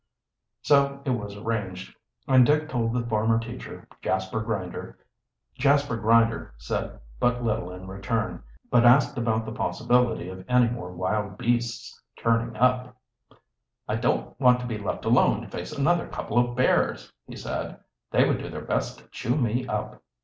So it was arranged, and Dick told the former teacher. Jasper Grinder said but little in return, but asked about the possibility of any more wild beasts turning up. "I don't want to be left alone to face another couple of bears," he said. "They would do their best to chew me up!"